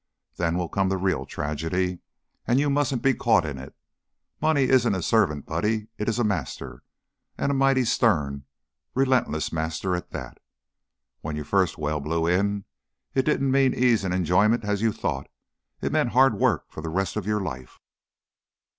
Then will come the real tragedy, and you mustn't be caught in it. Money isn't a servant, Buddy; it is a master, and a mighty stern, relentless master, at that. When your first well blew in, it didn't mean ease and enjoyment, as you thought; it meant hard work for the rest of your life."